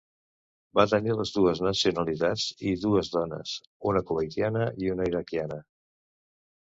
Va tenir les dues nacionalitats i dues dones, una kuwaitiana i una iraquiana.